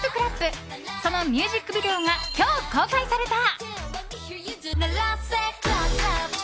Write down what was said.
そのミュージックビデオが今日公開された。